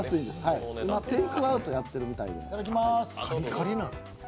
今、テイクアウトやってるみたいなんで。